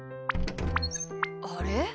あれ？